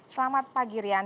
selamat pagi rian